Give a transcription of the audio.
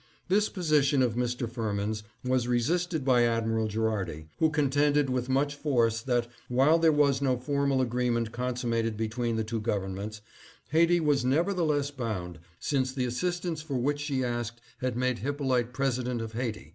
" This position of Mr. Firmin's was resisted by Admi ral Gherardi, who contended with much force that, while there was no formal agreement consummated between the two governments, Haiti was nevertheless bound, since the assistance for which she asked had made Hyppolite President of Haiti.